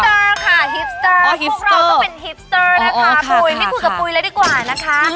ฮิปสเตอร์ค่ะฮิปสเตอร์พวกเราก็เป็นฮิปสเตอร์นะคะปุ๋ยไม่คุยกับปุ๋ยแล้วดีกว่านะคะ